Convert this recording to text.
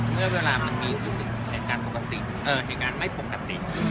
เพื่อเวลามันมีอุดสุดเหตุการณ์ไม่ปกติ